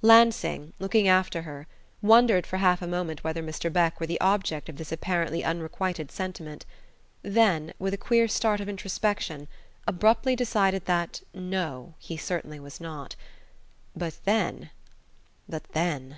Lansing, looking after her, wondered for half a moment whether Mr. Beck were the object of this apparently unrequited sentiment; then, with a queer start of introspection, abruptly decided that, no, he certainly was not. But then but then